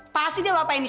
pasti dia apa apain nih